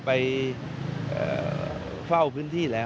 ไปเฝ้าพื้นที่แล้ว